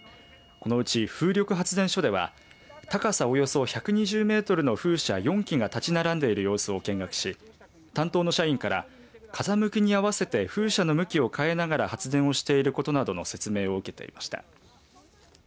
このうち風力発電所では高さおよそ１２０メートルの風車４基が立ち並んでいる様子を見学し担当の社員から風向きに合わせて風車の向きを変えながら発電をしていることなどの説明を受けていました。